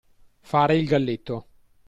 Fare il galletto.